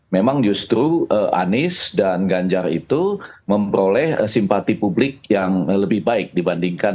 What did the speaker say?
memang justru anies dan ganjar itu memperoleh simpati publik yang lebih baik dibandingkan